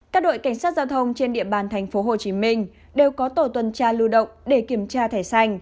các đội cảnh sát giao thông trên địa bàn tp hcm đều có tổ tuần tra lưu động để kiểm tra thẻ xanh